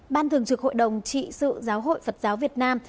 ban thường trực hội đồng trị sự giáo hội phật giáo việt nam